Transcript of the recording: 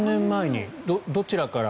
どちらから？